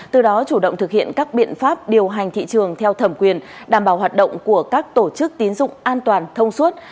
từ đó chủ động thực hiện các biện pháp điều hành thị trường theo thẩm quyền đảm bảo hoạt động của các tổ chức tín dụng an toàn thông suốt